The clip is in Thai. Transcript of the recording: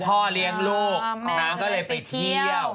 พ่อเลี้ยงลูกน้องก็เลยไปเที่ยว